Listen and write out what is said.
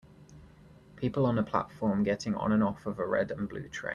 People are on a platform getting on and off of a red and blue train.